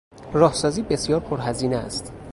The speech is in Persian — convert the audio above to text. راهسازی بسیار پر هزینه است.